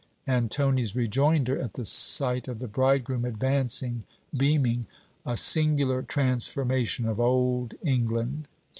and Tony's rejoinder, at the sight of the bridegroom advancing, beaming: 'A singular transformation of Old England!'